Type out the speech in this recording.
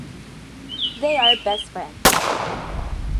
They are best friends.